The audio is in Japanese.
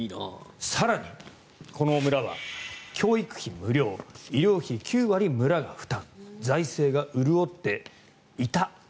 更にこの村は教育費無料医療費の９割を村が負担財政が潤っていた。